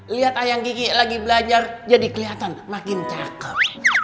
lihat ayam gigi lagi belajar jadi kelihatan makin cakep